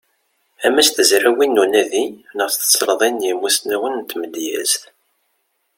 Ama s tezrawin n unadi neɣ s tselḍin n yimussnawen n tmedyazt.